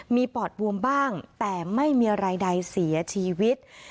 มีปอดบวมบ้างแต่ไม่มีอะไรใดเสียชีวิต